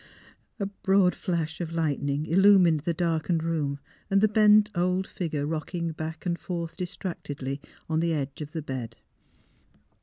A broad flash of lightning illumined the dark ened room and the bent old figure rocking back and forth distractedly on the edge of the bed.